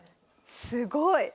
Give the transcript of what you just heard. すごい。